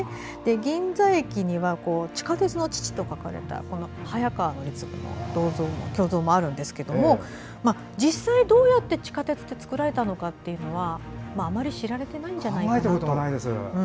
銀座駅には「地下鉄の父」と書かれた早川徳次の銅像もあるんですが実際、どうやって地下鉄が作られたのかはあまり知られていないんじゃないかなと。